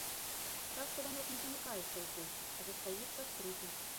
Часта вянок не замыкаецца ў кольца, а застаецца адкрытым.